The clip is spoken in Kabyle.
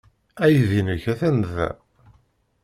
Aydi-nnek atan da.